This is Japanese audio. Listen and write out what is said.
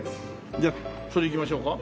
じゃあそれでいきましょうか。